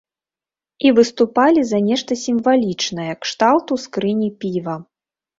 І выступалі за нешта сімвалічнае кшталту скрыні піва.